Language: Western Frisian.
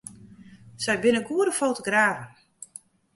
Sy binne goede fotografen.